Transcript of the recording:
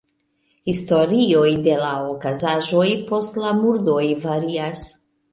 Historioj de la okazaĵoj post la murdoj varias.